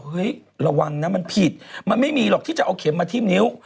ระวังนะมันผิดมันไม่มีหรอกที่จะเอาเข็มมาทิ้มนิ้ว